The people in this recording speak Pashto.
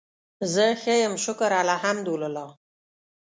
زه ښه یم شکر الحمدالله